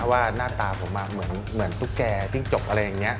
ว่าหน้าตาผมเหมือนตุ๊กแก่จิ้งจกอะไรอย่างนี้